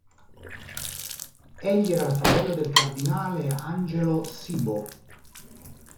Egli era il fratello del cardinale Angelo Cybo.